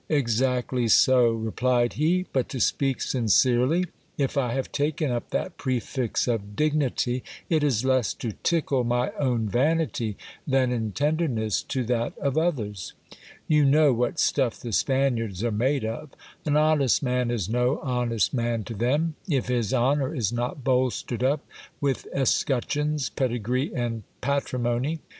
Exactly so, replied he ; but to speak sincerely, if I have taken up that prefix of dignity, it is less to tickle my own vanity, than in tenderness to that of others. You know what stuff the Spaniards are made of; an honest man is no honest man to them, if his honour is not bolstered up with escutcheons, pedigree, and patri mony.